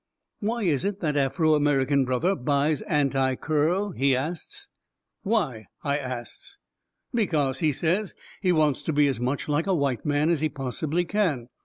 "Why is it that the Afro American brother buys Anti Curl?" he asts. "Why?" I asts. "Because," he says, "he wants to be as much like a white man as he possibly can.